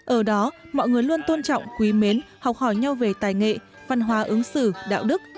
ở đó mọi người luôn tôn trọng quý mến học hỏi nhau về tài nghệ văn hóa ứng xử đạo đức